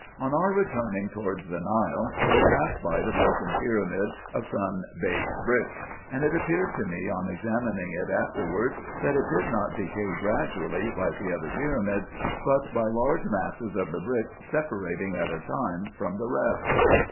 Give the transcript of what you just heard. On our returning towards the Nile, we passed by the broken pyramid of sun baked bricks ; and it appeared to me, on examining it afterwards, that it did not decay gradually, like the other pyra mids, but by large masses of the bricks separating at a time from the rest.